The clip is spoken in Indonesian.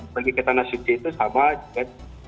pergi ke tanah suci itu sama juga